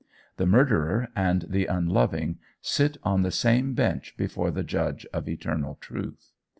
The murderer and the unloving sit on the same bench before the judge of eternal truth.